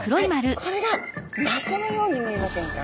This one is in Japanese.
これが的のように見えませんか？